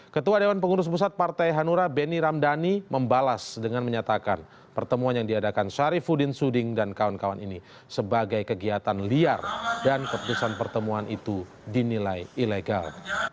ketua dewan pengurus pusat partai hanura beni ramdhani membalas dengan menyatakan pertemuan yang diadakan syarifudin suding dan kawan kawan ini sebagai kegiatan liar dan keputusan pertemuan itu dinilai ilegal